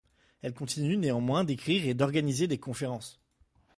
Elle continue néanmoins d'écrire et d'organiser des conférences.